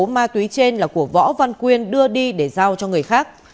số ma túy trên là của võ văn quyên đưa đi để giao cho người khác